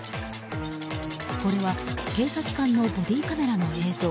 これは警察官のボディーカメラの映像。